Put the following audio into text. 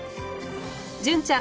純ちゃん